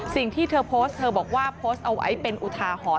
สิ่งที่เธอโพสต์เธอบอกว่าโพสต์เอาไว้เป็นอุทาหรณ์